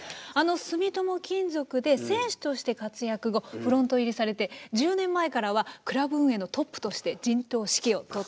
住友金属で選手として活躍後フロント入りされて１０年前からはクラブ運営のトップとして陣頭指揮を執ってこられています。